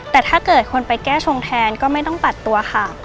แต่ถ้าเกิดคนไปแก้ชงแทนก็ไม่ต้องตัดตัวค่ะ